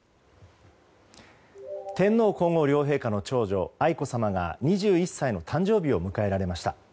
天皇・皇后両陛下の長女・愛子さまが２１歳の誕生日を迎えられました。